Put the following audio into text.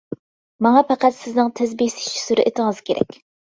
ماڭا پەقەت سىزنىڭ تىز بېسىش سۈرئىتىڭىز كېرەك.